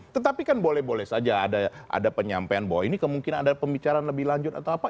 tetapi kan boleh boleh saja ada penyampaian bahwa ini kemungkinan ada pembicaraan lebih lanjut atau apa